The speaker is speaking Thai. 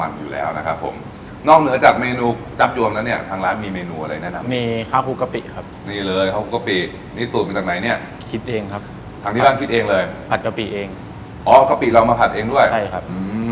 ใส่แต่พริกอย่างเดียวเลยใช่สำหรับคนที่ชอบทานเผ็ดครับ